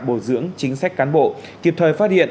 bồi dưỡng chính sách cán bộ kịp thời phát hiện